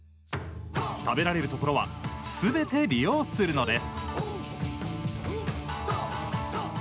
食べられるところはすべて利用するのです。